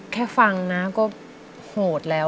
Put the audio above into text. แค่ฟังนะก็โหดแล้ว